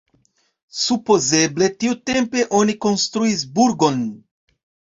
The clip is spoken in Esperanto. Supozeble tiutempe oni konstruis burgon.